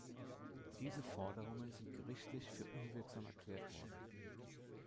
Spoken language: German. Diese Forderungen sind gerichtlich für unwirksam erklärt worden.